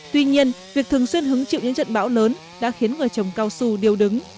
tuy nhiên việc thường xuyên hứng chịu những trận bão lớn đã khiến người trồng cao su điêu đứng